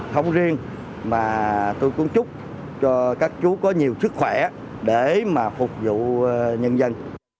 không riêng mà tôi cũng chúc cho các chú có nhiều sức khỏe để mà phục vụ nhân dân